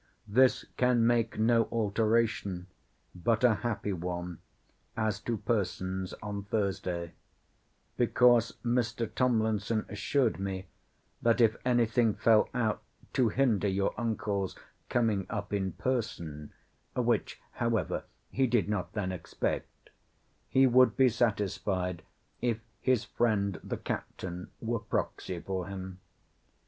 This can make no alteration, but a happy one, as to persons, on Thursday; because Mr. Tomlinson assured me, that if any thing fell out to hinder your uncle's coming up in person, (which, however, he did not then expect,) he would be satisfied if his friend the Captain were proxy for him.